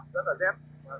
rất là dép